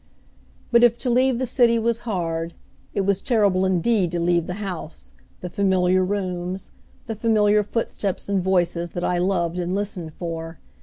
But if to leave the city was hard, it was terrible indeed to leave the house, the familiar rooms, the familiar footsteps and voices that I loved, and listened for.